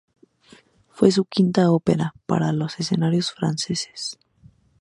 Fue su quinta ópera para los escenarios franceses.